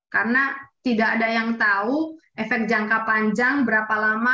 karena tidak ada yang tahu efek jangka panjang berapa lama